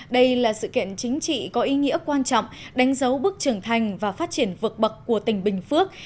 đây là sự kiện chính trị có ý nghĩa quan trọng đánh dấu bước trưởng thành và phát triển vượt bậc của tỉnh bình phước